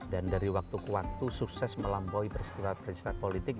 dan dari waktu ke waktu sukses melampaui peristiwa peristiwa politik